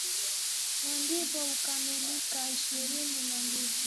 na ndipo hukamilika ishirini na mbili